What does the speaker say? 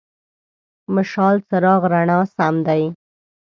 مشال: څراغ، رڼا سم دی.